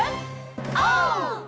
オー！